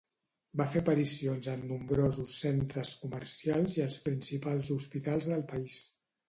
Va fer aparicions en nombrosos centres comercials i als principals hospitals del país.